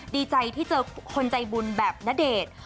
ดีใจที่เจอคนใจบุญแบบณเดชน์